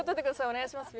お願いします。